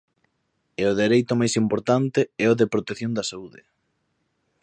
E o dereito máis importante é o de protección da saúde.